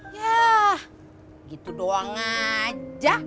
yah gitu doang aja